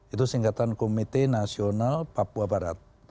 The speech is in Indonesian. itu singkatan komite nasional papua barat